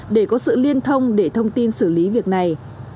để có sự liên thông để thông tin xử lý việc này